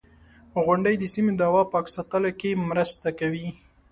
• غونډۍ د سیمې د هوا پاک ساتلو کې مرسته کوي.